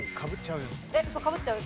かぶっちゃう？